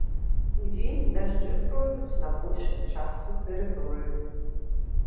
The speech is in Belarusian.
Удзень дажджы пройдуць на большай частцы тэрыторыі.